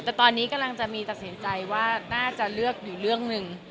แต่ตอนนี้กำลังจะมีตัดสินใจว่าน่าจะเลือกอยู่เรื่องหนึ่ง